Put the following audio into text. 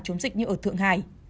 chống dịch như ở thượng hải